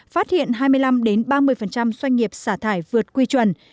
phát hiện hai mươi năm ba mươi doanh nghiệp xả thải vượt quy chuẩn